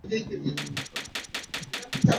তার মায়ের নাম অ্যান লি ও বাবা অ্যালান মিলার।